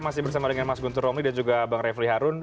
saya masih bersama dengan mas gunter omri dan juga bang refli harum